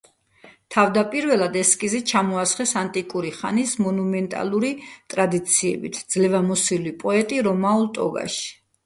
თავდაპირველი ესკიზი ჩამოასხეს ანტიკური ხანის მონუმენტალური ტრადიციებით: ძლევამოსილი პოეტი რომაულ ტოგაში.